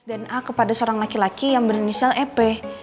dan a kepada seorang laki laki yang berinisial ep